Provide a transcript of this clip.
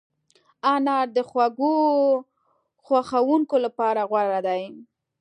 انار د خوږو خوښونکو لپاره غوره دی.